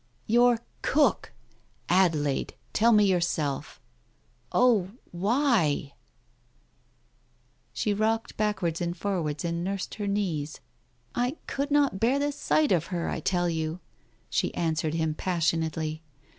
"Your cook! Adelaide, tell me yourself. Oh, why ?" She rocked backwards and forwards and nursed her knees. "I could not bear the sight of her, I tell you !" she answered him passionately.